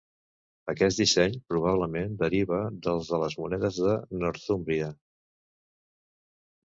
Aquest disseny probablement deriva del de les monedes de Northúmbria.